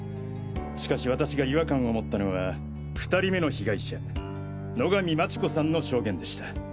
しかし私が違和感を持ったのは２人目の被害者野上町子さんの証言でした。